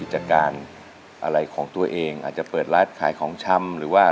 ไหวไหมล่ะ